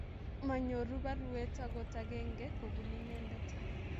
Manyoru baruet agot agenge kobun inendet